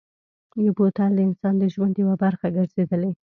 بوتل د انسان د ژوند یوه برخه ګرځېدلې.